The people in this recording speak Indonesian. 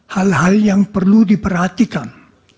hal hal yang perlu diperhatikan